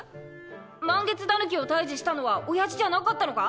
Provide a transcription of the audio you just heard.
満月狸を退治したのは親父じゃなかったのか！？